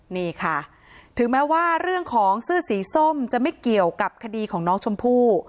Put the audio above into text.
นี่ค่ะถึงแม้ว่าเรื่องของเสื้อสีส้มจะไม่เกี่ยวกับคดีของน้องชมพู่